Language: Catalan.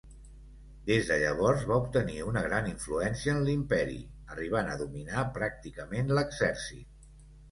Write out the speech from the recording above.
Des de llavors va obtenir una gran influència en l'Imperi, arribant a dominar pràcticament l'exèrcit.